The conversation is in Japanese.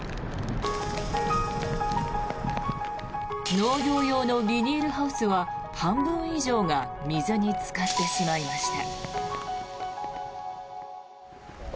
農業用のビニールハウスは半分以上が水につかってしまいました。